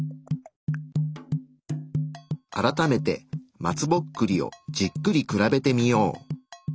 改めて松ぼっくりをじっくり比べてみよう。